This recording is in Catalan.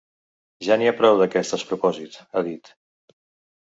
“Ja n’hi ha prou d’aquest despropòsit”, ha dit.